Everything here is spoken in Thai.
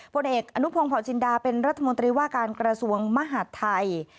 ผลเอกอนุพงศ์เผาจินดาเป็นรัฐมนตรีว่าการกระทรวงมหาดไทย